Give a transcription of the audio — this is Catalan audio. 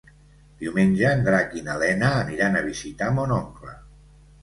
Diumenge en Drac i na Lena aniran a visitar mon oncle.